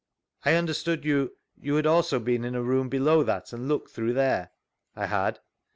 I understood you, you had also been in a room below that, and looked through there?— I had.